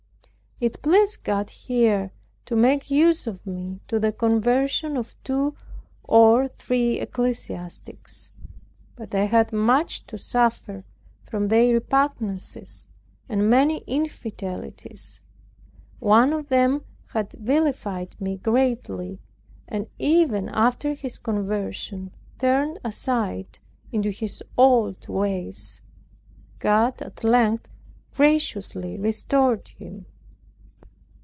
It pleased God here to make use of me to the conversion of two or three ecclesiastics. But I had much to suffer from their repugnances and many infidelities one of whom had vilified me greatly and even after his conversion turned aside into his old ways. God at length graciously restored him.